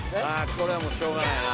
これはもうしょうがないな。